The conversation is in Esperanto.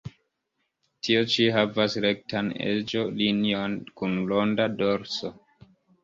Tio ĉi havas rektan eĝo-linion kun ronda dorso.